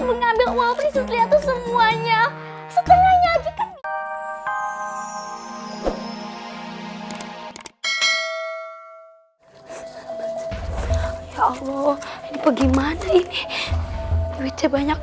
mengambil wafi setelah itu semuanya sebenarnya aja kan ya allah ini bagaimana ini wc banyak